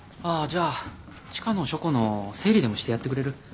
あじゃあ地下の書庫の整理でもしてやってくれる？